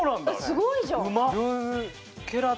すごいじゃん。